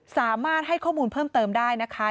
สามารถให้ข้อมูลเพิ่มเติมได้นะคะ